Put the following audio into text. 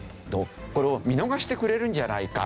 これを見逃してくれるんじゃないか？